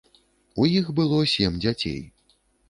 У іх было сем дзяцей.